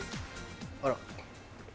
あら。